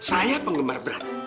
saya penggemar berat